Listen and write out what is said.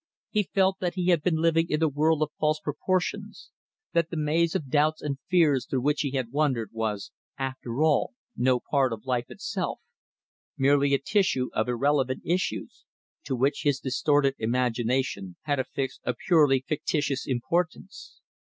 He felt that he had been living in a world of false proportions; that the maze of doubts and fears through which he had wandered was, after all, no part of life itself, merely a tissue of irrelevant issues, to which his distorted imagination had affixed a purely fictitious importance.